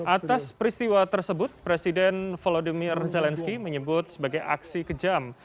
atas peristiwa tersebut presiden volodymyr zelensky menyebut sebagai aksi kejam